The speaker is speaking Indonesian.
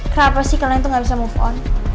kenapa sih kalian tuh gak bisa move on